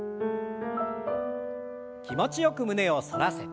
気持ちよく胸を反らせて。